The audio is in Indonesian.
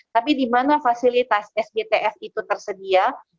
tapi di mana fasilitas sgtf itu tersedia